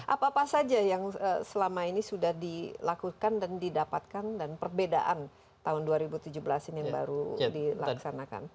apa apa saja yang selama ini sudah dilakukan dan didapatkan dan perbedaan tahun dua ribu tujuh belas ini yang baru dilaksanakan